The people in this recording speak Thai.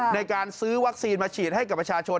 ในการซื้อวัคซีนมาฉีดให้กับประชาชน